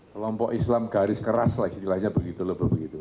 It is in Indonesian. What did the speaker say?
kelompok islam garis keras lah istilahnya begitu loh begitu